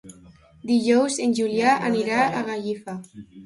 Dijous en Julià anirà a Gallifa.